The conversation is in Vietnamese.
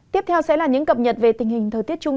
tiếp theo sẽ là những cập nhật về tình hình thời tiết chung